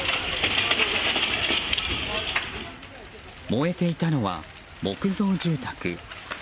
燃えていたのは木造住宅。